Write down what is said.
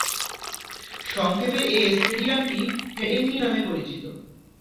সংক্ষেপে এ স্টেডিয়ামটি হেডিংলি নামে পরিচিত।